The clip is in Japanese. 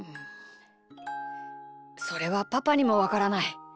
それはパパにもわからない。